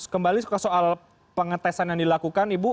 kembali ke soal pengetesan yang dilakukan ibu